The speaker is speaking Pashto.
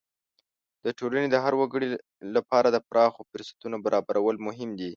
د ټولنې د هر وګړي لپاره د پراخو فرصتونو برابرول مهم دي.